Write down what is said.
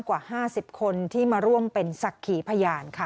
กว่าห้าสิบคนที่มาร่วมเป็นสักขีผยานค่ะ